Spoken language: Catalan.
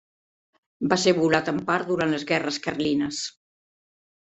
Va ser volat en part durant les guerres carlines.